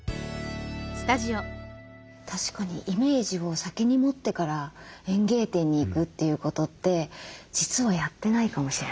確かにイメージを先に持ってから園芸店に行くということって実はやってないかもしれないですね。